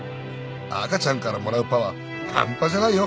「赤ちゃんからもらうパワーハンパじゃないよ。